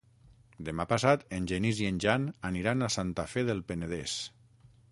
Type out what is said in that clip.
Demà passat en Genís i en Jan aniran a Santa Fe del Penedès.